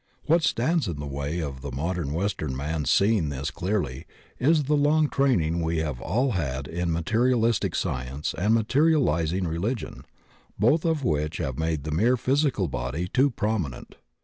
What stands in the way of the modem western man's seeing this clearly is the long training we have all had in materi alistic science and materializing religion, both of which have made the mere physical body too prominent.